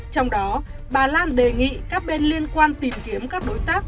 trong đó bà lan đề nghị các bên liên quan tìm kiếm các đối tác